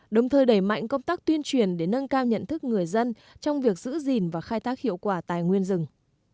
đồng thời đẩy mạnh công tác tuyên truyền để nâng cao nhận thức người dân trong việc giữ gìn và khai tác hiệu quả tài nguyên rừng